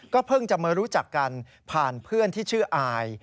เพิ่งจะมารู้จักกันผ่านเพื่อนที่ชื่ออาย